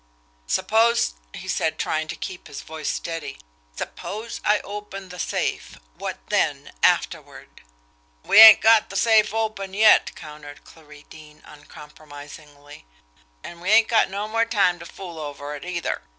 "Suppose," he said, trying to keep his voice steady, "suppose I open the safe what then afterward?" "We ain't got the safe open yet," countered Clarie Deane uncompromisingly. "An' we ain't got no more time ter fool over it, either.